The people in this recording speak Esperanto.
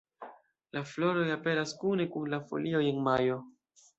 La floroj aperas kune kun la folioj en majo.